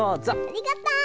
ありがとう！